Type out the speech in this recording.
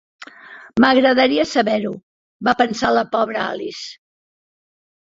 "M'agradaria saber-ho", va pensar la pobra Alice.